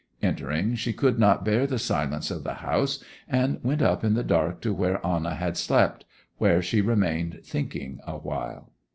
Entering, she could not bear the silence of the house, and went up in the dark to where Anna had slept, where she remained thinking awhile.